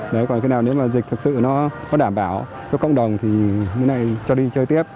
đấy còn cái nào nếu mà dịch thực sự nó có đảm bảo cho cộng đồng thì mới lại cho đi chơi tiếp